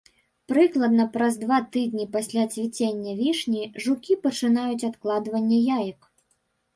Прыкладна праз два тыдні пасля цвіцення вішні, жукі пачынаюць адкладванне яек.